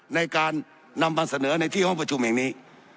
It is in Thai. ในการนำมาเสนอในที่ห้องประชุมแห่งนี้